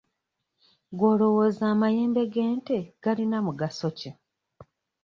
Gwe olowooza amayembe g'ente galina mugaso ki?